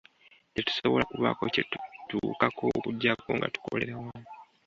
Tetusobola kubaako kye tutuukako okuggyako nga tukolera wamu.